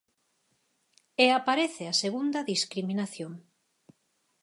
E aparece a segunda discriminación.